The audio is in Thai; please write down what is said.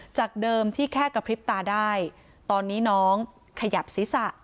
จากเดิมที่แค่กระพริบตาได้ตอนนี้น้องขยับศีรษะ